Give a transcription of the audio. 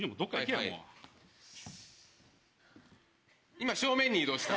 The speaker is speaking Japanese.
今正面に移動した。